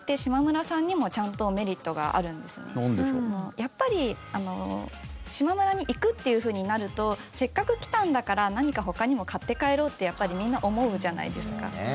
やっぱり、しまむらに行くっていうふうになるとせっかく来たんだから何かほかにも買って帰ろうってやっぱりみんな思うじゃないですか。